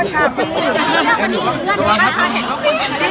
โทษค่ะปี